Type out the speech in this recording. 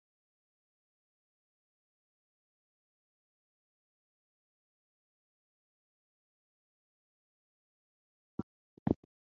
Of this, are in Peninsular Malaysia, are in Sabah, and are in Sarawak.